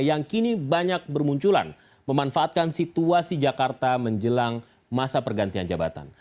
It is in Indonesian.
yang kini banyak bermunculan memanfaatkan situasi jakarta menjelang masa pergantian jabatan